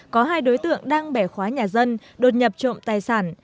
có hai đối tượng đang bẻ khóa nhà dân đột nhập trộm tài sản